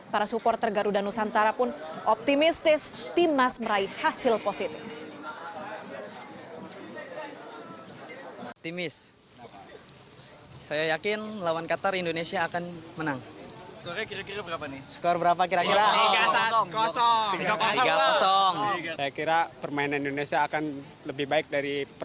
para supporter garuda nusantara pun optimistis tim nasional meraih hasil positif